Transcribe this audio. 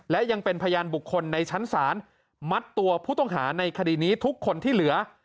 และยังเป็นพยานบุคคลในชั้นศาลมัดตัวผู้ต้องหาในคดีนี้ทุกคนที่เหลือ